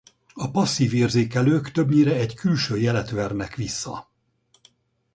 A passzív érzékelők többnyire egy külső jelet vernek vissza.